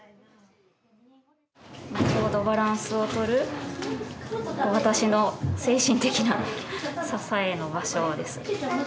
ちょうどバランスを取る私の精神的な支えの場所ですね。